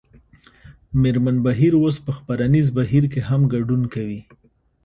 مېرمن بهیر اوس په خپرنیز بهیر کې هم ګډون کوي